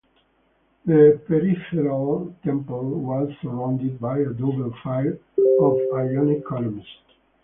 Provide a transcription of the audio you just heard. The peripteral temple was surrounded by a double file of Ionic columns.